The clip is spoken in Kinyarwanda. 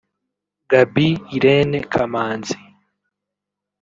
Gaby Irene Kamanzi